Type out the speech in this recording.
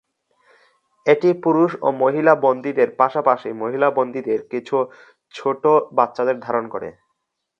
এটি পুরুষ ও মহিলা বন্দীদের, পাশাপাশি মহিলা বন্দীদের কিছু ছোট বাচ্চাদের ধারণ করে।